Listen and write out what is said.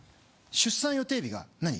出産予定日がなに？